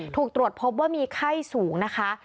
ถูกตรวจพบว่ามีไข้สูงนะคะ